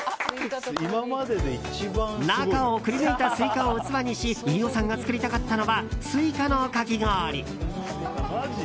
中をくり抜いたスイカを器にし飯尾さんが作りたかったのはスイカのカキ氷。